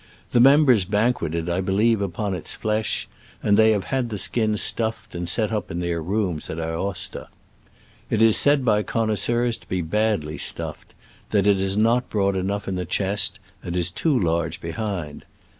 The mem bers banqueted, I believe, upon its flesh, and they have had the skin stuffed and set up in their rooms at Aosta. It is said by connoisseurs to be badly stuffed — ^that it is not broad enough in the chest and is too large behind.